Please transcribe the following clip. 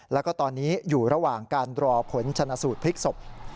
แล้วก็ตอนนี้อยู่ระหว่างการรอผลชนะสูตรพลิกศพ